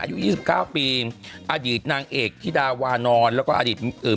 อายุยี่สิบเก้าปีอดีตนางเอกธิดาวานอนแล้วก็อดีตเอ่อ